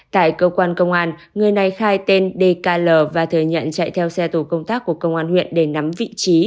tại cơ quan công an người này khai tên dkl và thừa nhận chạy theo xe tổ công tác của công an huyện để nắm vị trí